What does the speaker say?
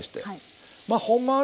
まあほんまはね